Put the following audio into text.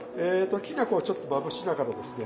きな粉をちょっとまぶしながらですね